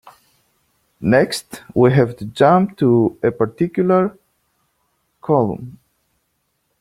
Next, we have to jump to a particular column.